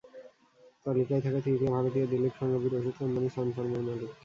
তালিকায় থাকা তৃতীয় ভারতীয় দিলীপ সাঙ্গভির ওষুধ কোম্পানি সান ফার্মার মালিক।